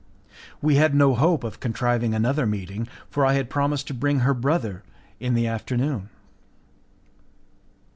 We had no hope of contriving another meeting, for I had promised to bring her brother in the afternoon.